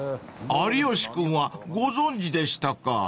［有吉君はご存じでしたか］